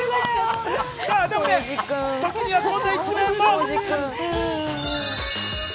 でもね、時にはこんな一面も。